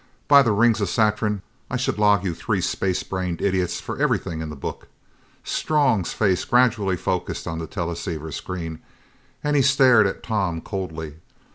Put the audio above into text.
"By the rings of Saturn, I should log you three space brained idiots for everything in the book!" Strong's face gradually focused on the teleceiver screen and he stared at Tom coldly.